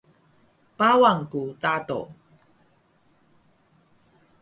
Pawan ku Tado